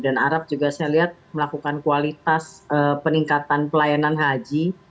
dan arab juga saya lihat melakukan kualitas peningkatan pelayanan haji